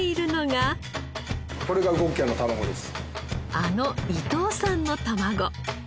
あの伊藤さんの卵。